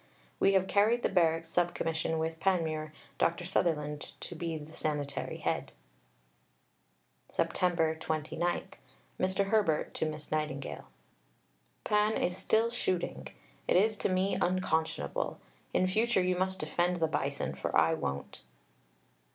We have carried the Barracks Sub Commission with Panmure, Dr. Sutherland to be the Sanitary Head. Sept. 29 (Mr. Herbert to Miss Nightingale). Pan is still shooting. It is to me unconscionable. In future you must defend the Bison, for I won't.